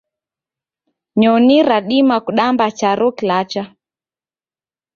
Nyonyi radima kudamba charo kilacha